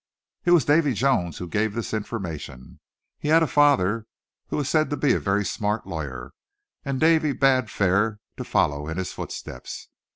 It was Davy Jones who gave this information. He had a father who was said to be a very smart lawyer; and Davy bade fair to follow in his footsteps.